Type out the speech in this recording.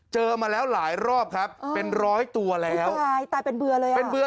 มาแล้วหลายรอบครับเป็นร้อยตัวแล้วตายตายเป็นเบื่อเลยอ่ะเป็นเบื่อ